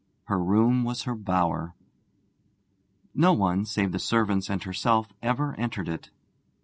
Her room was her bower. No one, save the servants and herself, ever entered it.